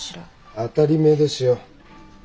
当たり前ですよ。